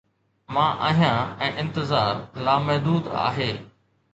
مان آهيان ۽ انتظار لامحدود آهي